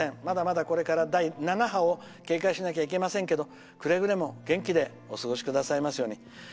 まだまだ、これから第７波を警戒しなきゃいけませんけどくれぐれも元気でお過ごしくださいますように。